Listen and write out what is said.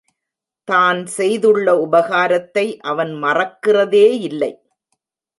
தான் செய்துள்ள உபகாரத்தை அவன் மறக்கிறதே யில்லை.